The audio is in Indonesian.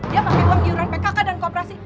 dia pake uang diurang pkk dan kooperasi